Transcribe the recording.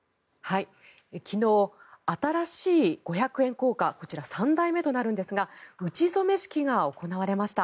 昨日、新しい五百円硬貨こちら、３代目となるんですが打ち初め式が行われました。